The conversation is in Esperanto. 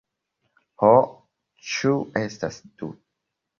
Ho, ĉu estas du?